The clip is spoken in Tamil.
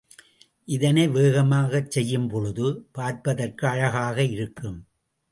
இதனை வேகமாகச் செய்யும் பொழுது, பார்ப்பதற்கு அழகாக இருக்கும்.